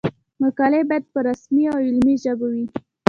مقالې باید په رسمي او علمي ژبه وي.